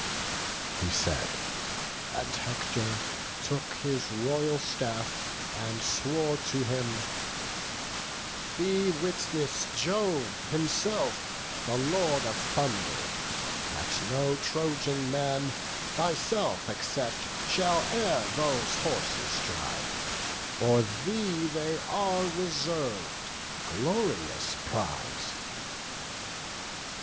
He said; and Hector took his royal staff, And swore to him: "Be witness Jove himself, The Lord of thunder, that no Trojan man, Thyself except, shall e'er those horses drive; For thee they are reserv'd, a glorious prize."